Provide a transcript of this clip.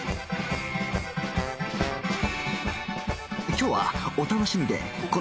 今日はお楽しみデー